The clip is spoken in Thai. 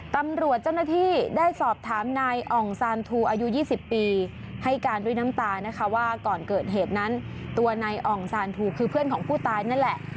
ตำรวจเจ้าหน้าที่ได้สอบถามนายอ่องซานทูอายุ๒๐ปีให้การด้วยน้ำตานะคะว่าก่อนเกิดเหตุนั้นตัวนายอ่องซานทูคือเพื่อนของผู้ตายนั่นแหละ